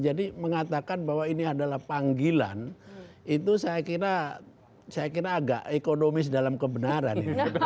jadi mengatakan bahwa ini adalah panggilan itu saya kira agak ekonomis dalam kebenaran